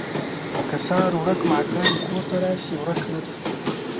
که د سهار ورک ماښام کور ته راشي، ورک نه دی.